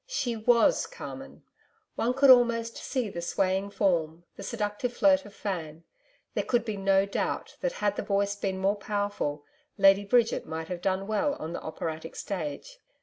She WAS CARMEN. One could almost see the swaying form, the seductive flirt of fan. There could be no doubt that had the voice been more powerful, Lady Bridget might have done well on the operatic stage.